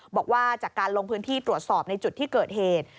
บอกว่าจากการลงพื้นที่ตรวจสอบในจุดที่เกิดเหตุ